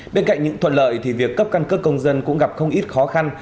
bên cạnh những thuận lợi thì việc cấp căn cước công dân cũng gặp không ít khó khăn